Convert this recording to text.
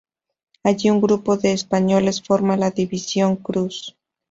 Allí un grupo de españoles forma la División Cruz.